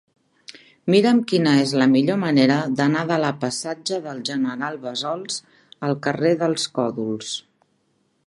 Mira'm quina és la millor manera d'anar de la passatge del General Bassols al carrer dels Còdols.